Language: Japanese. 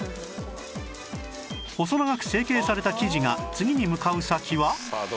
細長く成形された生地が次に向かう先は